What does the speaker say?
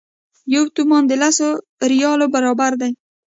یو تومان د لسو ریالو برابر دی.